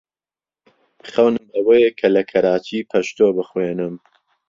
خەونم ئەوەیە کە لە کەراچی پەشتۆ بخوێنم.